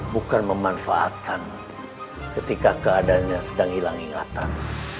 bukan memanfaatkan ketika keadaannya sedang hilang ingatan